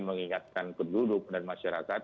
mengingatkan penduduk dan masyarakat